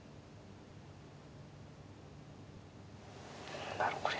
何だろこれ。